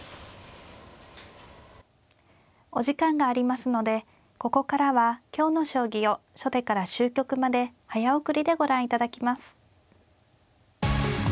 お時間がありますのでここからは今日の将棋を初手から終局まで早送りでご覧いただきます。